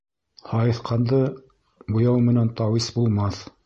Һайыҫҡанды буяу менән тауис булмаҫ